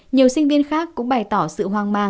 nhiều sinh viên khác cũng bày tỏ sự hoang mang